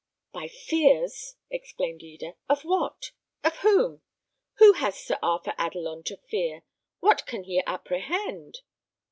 "By fears!" exclaimed Eda. "Of what? Of whom? Who has Sir Arthur Adelon to fear? What can he apprehend?"